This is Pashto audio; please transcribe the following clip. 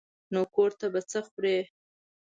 نو کور ته به څه خورې.